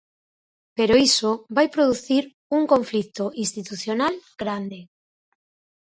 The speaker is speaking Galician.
Pero iso vai producir un conflito institucional grande.